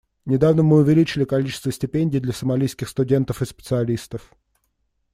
Недавно мы увеличили количество стипендий для сомалийских студентов и специалистов.